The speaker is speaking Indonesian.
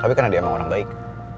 tapi karena dia emang orang baik